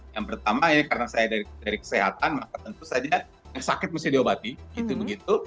yang pertama ini karena saya dari kesehatan maka tentu saja yang sakit mesti diobati gitu begitu